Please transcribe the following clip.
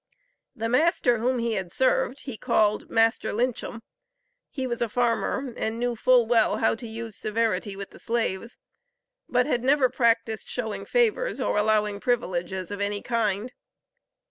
The master whom he had served, he called, "Master Lynchum." He was a farmer, and knew full well how to use severity with the slaves; but had never practiced showing favors, or allowing privileges of any kind.